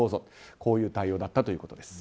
こういう対応だったということです。